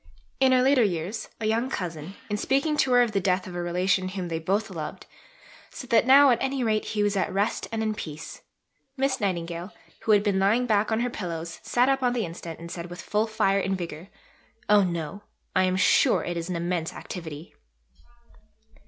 In her later years, a young cousin, in speaking to her of the death of a relation whom they both loved, said that now at any rate he was at rest and in peace. Miss Nightingale, who had been lying back on her pillows, sat up on the instant and said with full fire and vigour, "Oh no, I am sure it is an immense activity."